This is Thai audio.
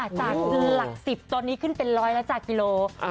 จากหลัก๑๐ตอนนี้ขึ้นเป็นร้อยแล้วจากกิโล